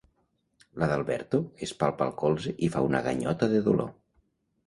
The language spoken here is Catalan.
L'Adalberto es palpa el colze i fa una ganyota de dolor.